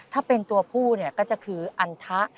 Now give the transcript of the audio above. ถ้าเป็นตัวผู้เนี่ยก็จะคืออันทะ